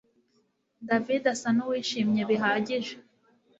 David asa nuwishimye bihagije